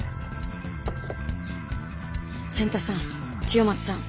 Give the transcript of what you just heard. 仙太さん千代松さん